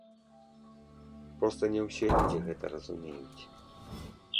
Проста не ўсе людзі гэта разумеюць.